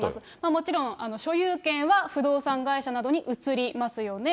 もちろん、所有権は不動産会社などに移りますよね。